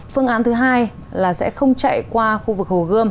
phương án thứ hai là sẽ không chạy qua khu vực hồ gươm